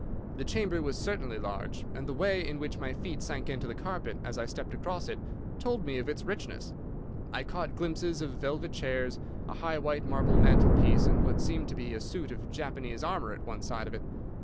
The chamber was certainly large, and the way in which my feet sank into the carpet as I stepped across it told me of its richness. I caught glimpses of velvet chairs, a high white marble mantel piece, and what seemed to be a suit of Japanese armour at one side of it.